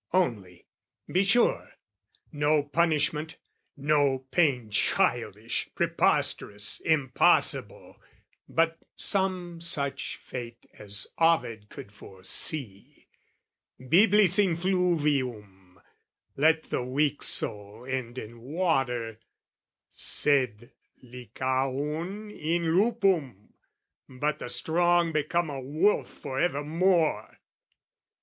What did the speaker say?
Only, be sure, no punishment, no pain Childish, preposterous, impossible, But some such fate as Ovid could foresee, Byblis in fluvium, let the weak soul end In water, sed Lycaon in lupum, but The strong become a wolf for evermore!